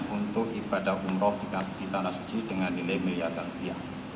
untuk ibadah umroh di tanah suci dengan nilai miliaran rupiah